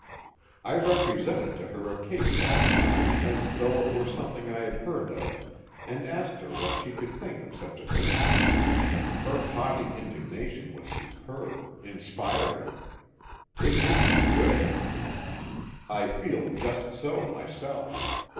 I represented to her a case like mine, as though it were something I had heard of, and asked her what she could think of such a thing. Her haughty indignation was superb, inspiring. It did me good. I feel just so myself.